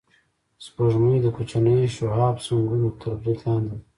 سپوږمۍ د کوچنیو شهابسنگونو تر برید لاندې ده